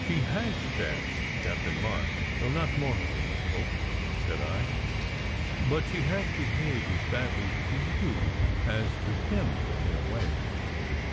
"She has stabbed Captain March, though not mortally, I hope," said I. "But she has behaved as badly to you as to him, in a way."